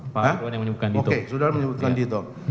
pak sudah menyebutkan dito